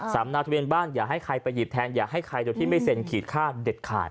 นาทะเบียนบ้านอย่าให้ใครไปหยิบแทนอย่าให้ใครโดยที่ไม่เซ็นขีดค่าเด็ดขาด